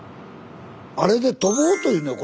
あれで飛ぼうというのよ